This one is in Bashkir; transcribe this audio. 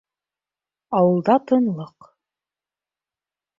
Ауылда тынлыҡ.